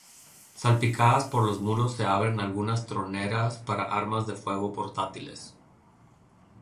Salpicadas por los muros se abren algunas troneras para armas de fuego portátiles.